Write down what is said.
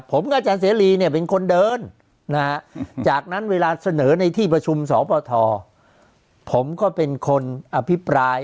ผมกับอาจารย์เสรีเนี่ยเป็นคนเดินนะฮะจากนั้นเวลาเสนอในที่ประชุมสปทผมก็เป็นคนอภิปราย